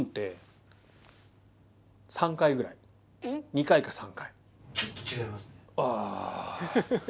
２回か３回。